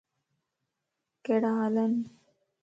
ڪھڙا ھالن؟